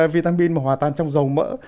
vitamin mà hòa tan trong dầu mỡ